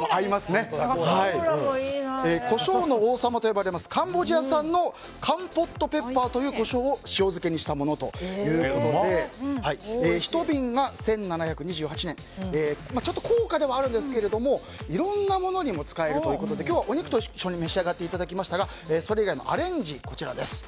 コショウの王様と呼ばれるカンボジア産のカンポットペッパーというコショウを塩漬けにしたものということで１瓶が１７２８円で高価ではあるんですがいろんなものにも使えるということで今日はお肉と一緒に召し上がっていただきましたがそれ以外のアレンジはこちらです。